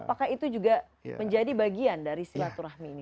apakah itu juga menjadi bagian dari silaturahmi ini